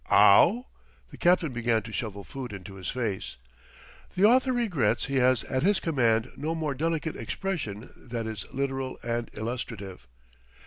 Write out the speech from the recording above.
"Ow?" The captain began to shovel food into his face. (The author regrets he has at his command no more delicate expression that is literal and illustrative.)